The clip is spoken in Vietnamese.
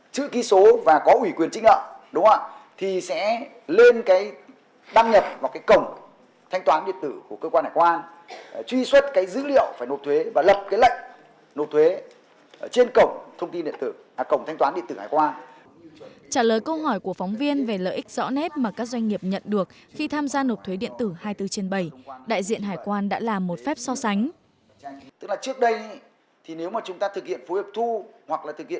trước đây nếu chúng ta thực hiện phối hợp thu hoặc là thực hiện nộp tiền thuế